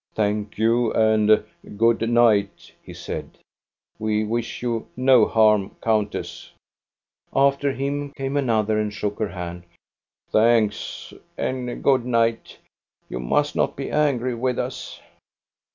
" Thank you, and good night, " he said. " We wish you no harm, countess. " After him came another and shook her hand. " Thanks, and good night. You must not be angry with us!"